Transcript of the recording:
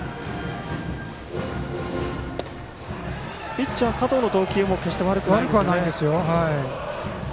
ピッチャー加藤の投球も決して、悪くはないですよね。